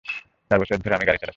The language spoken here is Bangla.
চার বছর ধরে আমি গাড়ি চালাচ্ছি।